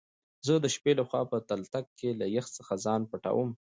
زه دشبی له خوا په تلتک کی له يخ ځخه ځان پټوم